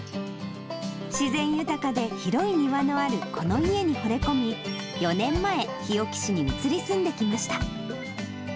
自然豊かで、広い庭のあるこの家にほれ込み、４年前、日置市に移り住んできました。